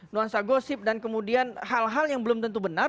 nuansa gosip dan kemudian hal hal yang belum tentu benar